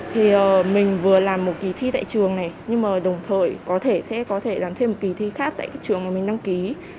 thì mình vừa làm một kỳ thi tại trường này nhưng mà đồng thời sẽ có thể làm thêm một kỳ thi khác tại trường mà mình đăng ký